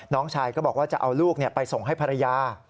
น้องชายก็บอกว่าจะเอาลูกไปส่งให้ภรรยา